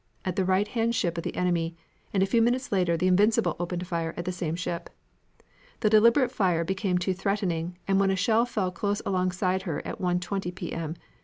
at the right hand ship of the enemy, and a few minutes later the Invincible opened fire at the same ship. The deliberate fire became too threatening, and when a shell fell close alongside her at 1.20 p. m.